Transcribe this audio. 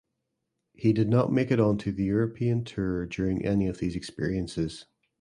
He did not make it onto the European Tour during any of these experiences.